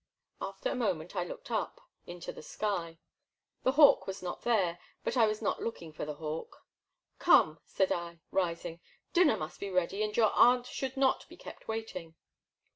After a moment I looked up i6o The Black Water. into the sky. The hawk was not there ; but I was not looking for the hawk. " Come,*' said I, rising, " dinner must be ready and your aunt should not be kept waiting.'